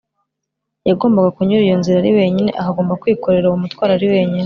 Yagombaga kunyura iyo nzira ari wenyine ; akagomba kwikorera uwo mutwaro ari wenyine